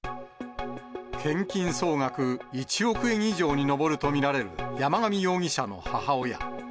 献金総額１億円以上に上ると見られる、山上容疑者の母親。